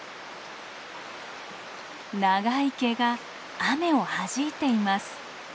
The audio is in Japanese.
長い毛が雨をはじいています。